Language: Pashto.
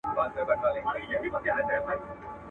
زندان به نه وي بندیوان به نه وي!